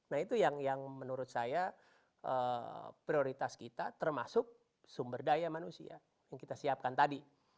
nah itu yang menurut saya prioritas kita termasuk sumber daya manusia yang kita siapkan tadi